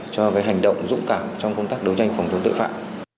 cho cái hành động dũng cảm trong công tác đấu tranh phòng chống tội phạm